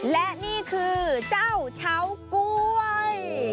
และนี่คือเจ้าชาวก๊วย